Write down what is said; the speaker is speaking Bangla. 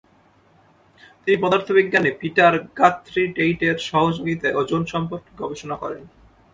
তিনি পদার্থবিজ্ঞানী পিটার গাথ্রি টেইটের সহযোগিতায় ওজোন সম্পর্কে গবেষণা করেন।